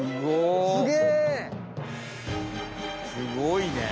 すごいね。